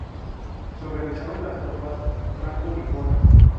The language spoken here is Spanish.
Se organizaron las tropas franco-niponas.